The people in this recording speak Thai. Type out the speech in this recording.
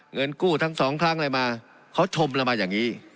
เงินกู้ทั้ง๒ทางเลยมาเขาชมเรามาอย่างนี้